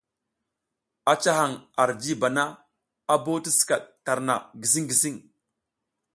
A ca hang ar jiba na, a bo ti skat tarna gising gising.